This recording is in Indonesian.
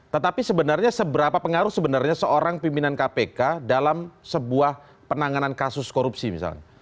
tetapi sebenarnya seberapa pengaruh sebenarnya seorang pimpinan kpk dalam sebuah penanganan kasus korupsi misalnya